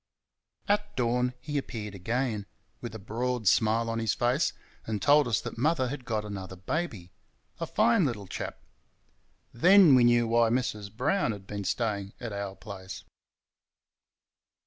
At dawn he appeared again, with a broad smile on his face, and told us that mother had got another baby a fine little chap. Then we knew why Mrs. Brown had been staying at our place.